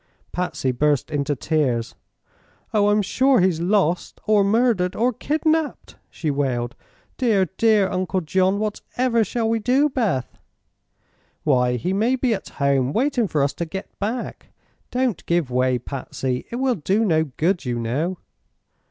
Patsy burst into tears. "Oh, I'm sure he's lost, or murdered, or kidnapped!" she wailed. "Dear, dear Uncle John! Whatever shall we do, Beth?" "Why, he may be at home, waiting for us to get back. Don't give way, Patsy; it will do no good, you know."